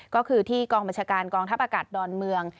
ก็คือที่กองบัญชาการกองทัพอากาศดอนเมือง